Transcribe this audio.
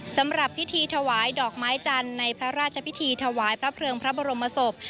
สำหรับพิธีถวายดอกไม้จันทร์ในพระราชพิธีถวายพระเพลิงพระบรมศพ